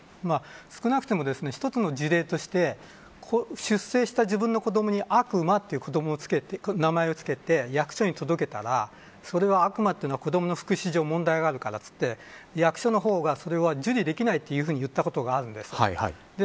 少なくても一つの事例として出生した自分の子どもに悪魔という名前をつけて役所に届けたらそれはあくまで子どもの福祉上問題があるからといって役所の方が受理できないというふうに言ったことがあるんです。